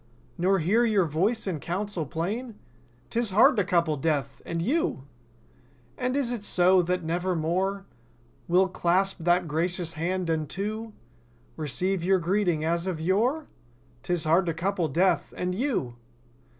Nor hear your voice in counsel plain?— 'Tis hard to couple Death—and you— And, is it so, that never more We'll clasp that gracious hand! And, too. Receive your greeting as of yore?— 'Tis hard to couple Death—and you!